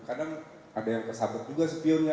kadang ada yang kesabut juga spionnya